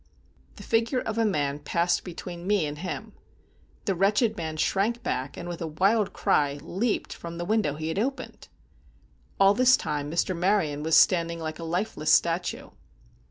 The figure of a man passed between me and him. The wretched man shrank back, and, with a wild cry, leaped from the window he had opened. All this time Mr. Maryon was standing like a lifeless statue.